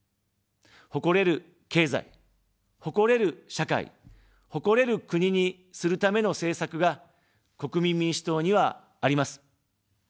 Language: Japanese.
誇れる経済、誇れる社会、誇れる国にするための政策が、国民民主党にはあります。